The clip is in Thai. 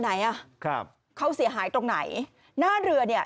ไหนอ่ะครับเขาเสียหายตรงไหนหน้าเรือเนี่ย